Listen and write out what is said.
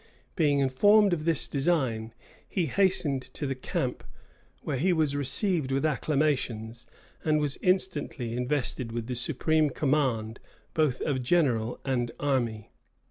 Being informed of this design, he hastened to the camp; where he was received with acclamations, and was instantly invested with the supreme command both of general and army.